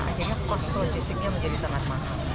akhirnya cost logistiknya menjadi sangat mahal